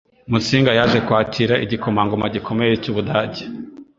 Musinga yaje kwakira igikomangoma gikomeye cy' u Budage